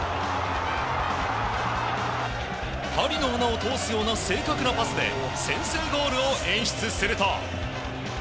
針の穴を通すような正確なパスで先制ゴールを演出すると。